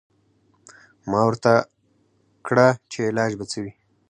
ما ورته کړه چې علاج به څه وي.